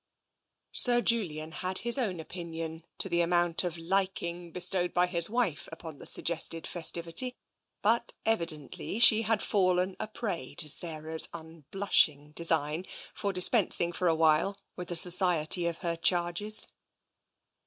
Sir Julian had his own opinion to the amount of liking bestowed by his wife upon the suggested festiv ity, but evidently she had fallen a prey to Sarah's un blushing design for dispensing for a while with the so ciety of her charges.